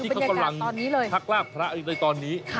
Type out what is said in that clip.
ที่เขากำลังทักลากพระในตอนนี้